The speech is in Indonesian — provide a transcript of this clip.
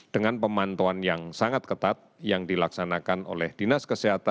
dengan pemantauan yang sangat ketat yang dilaksanakan oleh dinas kesehatan